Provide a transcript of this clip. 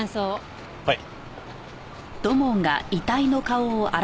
はい。